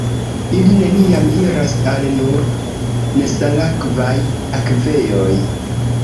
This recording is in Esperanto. Ili neniam iras al nur nesalakvaj akvejoj.